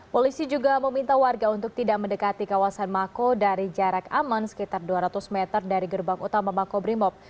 polisi juga meminta warga untuk tidak mendekati kawasan mako dari jarak aman sekitar dua ratus meter dari gerbang utama makobrimob